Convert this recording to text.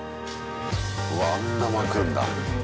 うわっあんな巻くんだ。